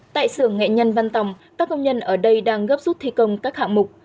tại xưởng nghệ nhân văn tòng các công nhân ở đây đang gấp rút thi công các hạng mục